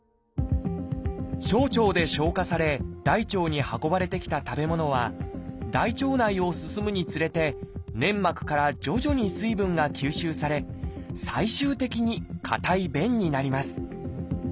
小腸で消化され大腸に運ばれてきた食べ物は大腸内を進むにつれて粘膜から徐々に水分が吸収され最終的に硬い便になります。